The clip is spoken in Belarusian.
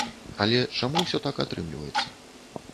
Але чаму ўсё так атрымліваецца?